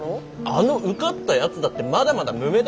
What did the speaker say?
あの受かったやつだってまだまだ無名だろばか！